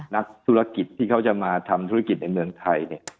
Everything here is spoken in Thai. นักธุรกิจที่เขาจะมาทำธุรกิจในเมืองไทยเนี่ย